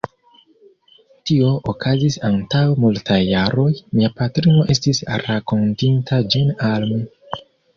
Tio okazis antaŭ multaj jaroj; mia patrino estis rakontinta ĝin al mi.